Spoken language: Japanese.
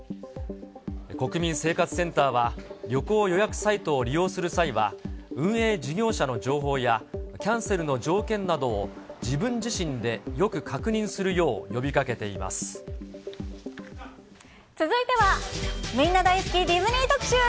国民生活センターは、旅行予約サイトを利用する際は、運営事業者の情報やキャンセルの条件などを自分自身でよく確認す続いては、みんな大好きディズニー特集。